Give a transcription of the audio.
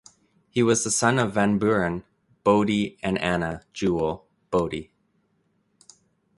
He was the son of Van Buren Boddie and Anna (Jewell) Boddie.